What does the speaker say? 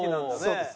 そうです。